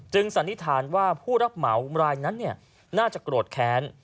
สันนิษฐานว่าผู้รับเหมารายนั้นน่าจะโกรธแค้น